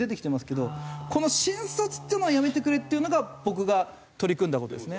けどこの新卒っていうのをやめてくれっていうのが僕が取り組んだ事ですね。